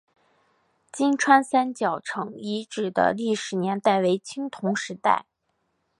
金川三角城遗址的历史年代为青铜时代。